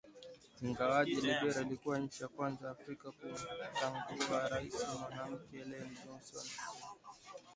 Ingawaje Liberia ilikuwa nchi ya kwanza Afrika kumchagua rais mwanamke Ellen Johnson Sirleaf